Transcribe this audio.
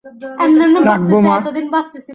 রাখব, মা।